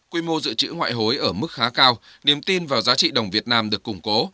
quy mô dự trữ ngoại hối ở mức khá cao niềm tin vào giá trị đồng việt nam được củng cố